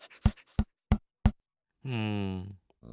うん。